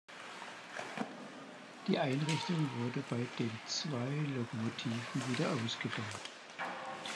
Die Einrichtung wurde bei den zwei Lokomotiven wieder ausgebaut.